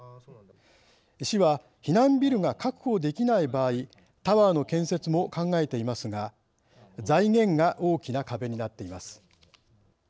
市は避難ビルが確保できない場合タワーの建設も考えていますが財源が大きな壁になっています。